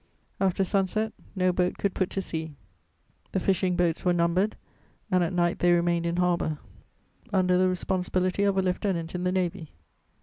After sunset, no boat could put to sea; the fishing boats were numbered, and at night they remained in harbour under the responsibility of a lieutenant in the Navy.